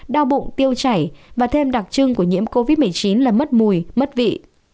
đau bụng tiêu chảy và thêm đặc trưng của nhiễm covid một mươi chín là mất mùi mất vị